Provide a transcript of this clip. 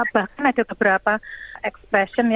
bahkan ada beberapa expression